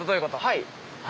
はい。